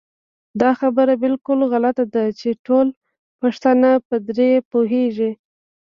دا خبره بالکل غلطه ده چې ټول پښتانه په دري پوهېږي